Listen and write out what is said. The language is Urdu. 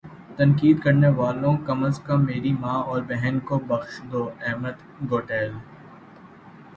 تنقید کرنے والو کم از کم میری ماں اور بہن کو بخش دو احمد گوڈیل